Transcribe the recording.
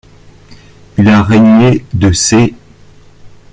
Il a régné de c.